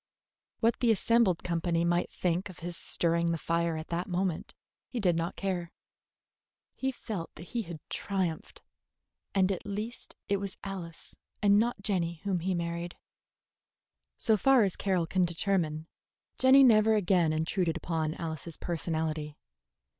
What the assembled company might think of his stirring the fire at that moment he did not care. He felt that he had triumphed; and at least it was Alice and not Jenny whom he married. So far as Carroll can determine, Jenny never again intruded upon Alice's personality.